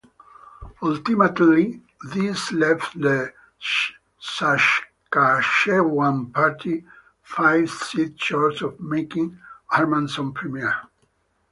Ultimately, this left the Saskatchewan Party five seats short of making Hermanson Premier.